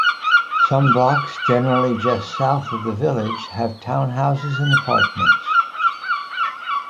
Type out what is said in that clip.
Some blocks, generally just south of the Village, have townhouses and apartments.